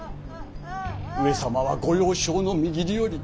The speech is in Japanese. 上様はご幼少のみぎりより